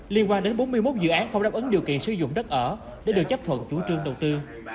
liên quan đến bốn mươi một dự án không đáp ứng điều kiện sử dụng đất ở để được chấp thuận chủ trương đầu tư